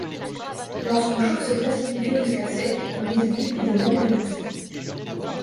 Lorsqu'on chauffe ce précipité jusqu'à sec, le résidu est de l'anhydrite.